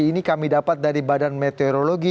jangan lupa subscribe channel ini